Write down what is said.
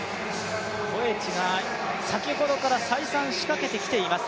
コエチが先ほどから再三、仕掛けてきています。